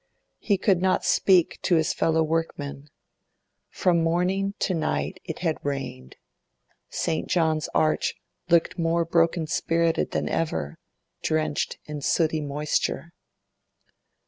He could not speak to his fellow workmen. From morning to night it had rained. St. John's Arch looked more broken spirited than ever, drenched in sooty moisture.